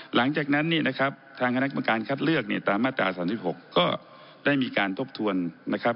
หลังจากนั้นเนี่ยนะครับทางคณะกรรมการคัดเลือกเนี่ยตามมาตรา๓๖ก็ได้มีการทบทวนนะครับ